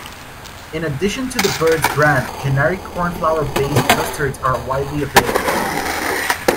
In addition to the Bird's brand, generic cornflour-based custards are widely available.